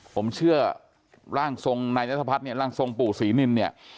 ผมเชื่อร่างทรงนายนัทพัฒน์เนี่ยร่างทรงปู่ศรีนินเนี่ย